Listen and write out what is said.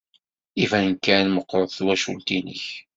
Iban kan meɣɣret twacult-nnek.